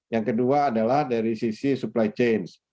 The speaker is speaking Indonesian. yang kedua adalah dari sisi supply chain